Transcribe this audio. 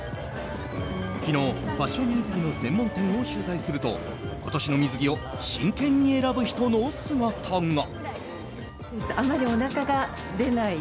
昨日、ファッション水着の専門店を取材すると今年の水着を真剣に選ぶ人の姿が。